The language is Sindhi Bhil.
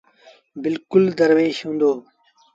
بلڪل دروش هُݩدو۔